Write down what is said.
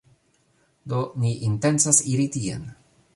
Do, ni intencas iri tien.